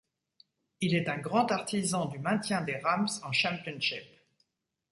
Il est un grand artisan du maintien des Rams en Championship.